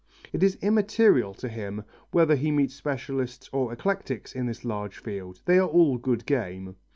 It is immaterial to him whether he meets specialists or eclectics in this large field they are all good game.